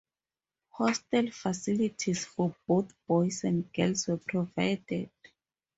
Hostel facilities for both boys and girls were provided.